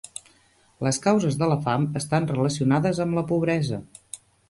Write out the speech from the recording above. Les causes de la fam estan relacionades amb la pobresa.